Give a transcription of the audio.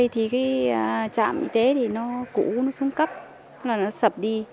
trước đây trạm y tế cũ xuống cấp sập đi